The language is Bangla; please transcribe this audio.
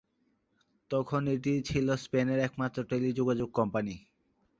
তখন এটি ছিল স্পেনের একমাত্র টেলিযোগাযোগ কোম্পানি।